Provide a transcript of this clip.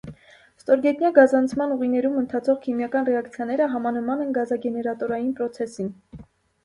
Ստորգետնյա գազացման ուղիներում ընթացող քիմիական ռեակցիաները համանման են գազագեներատորային պրոցեսին։